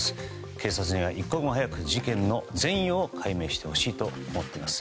警察には一刻も早く事件の全容を解明してほしいと思います。